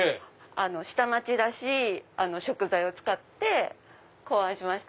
下町らしい食材を使って考案しました。